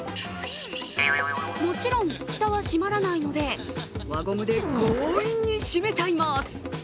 もちろん、フタは閉まらないので輪ゴムで強引に閉めちゃいます。